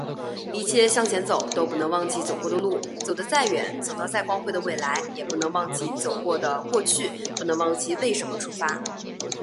一切向前走，都不能忘记走过的路；走得再远、走到再光辉的未来，也不能忘记走过的过去，不能忘记为什么出发。面向未来，面对挑战，全党同志一定要不忘初心、继续前进。